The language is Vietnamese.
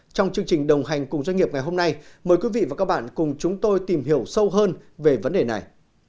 trong chương trình đồng hành cùng doanh nghiệp ngày hôm nay mời quý vị và các bạn cùng chúng tôi tìm hiểu sâu hơn về vấn đề này